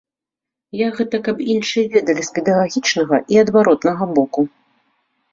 Я гэта, каб іншыя ведалі з педагагічнага і адваротнага боку.